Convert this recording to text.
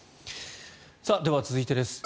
では、続いてです。